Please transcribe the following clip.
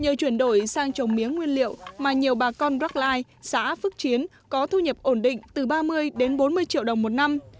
nhờ chuyển đổi sang trồng mía nguyên liệu mà nhiều bà con brackline xã phước chiến có thu nhập ổn định từ ba mươi đến bốn mươi triệu đồng một năm